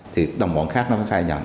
thì đồng bọn khác nó phải khai nhận